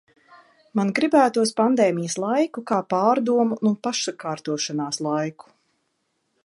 Man gribētos pandēmijas laiku kā pārdomu un pašsakārtošanās laiku.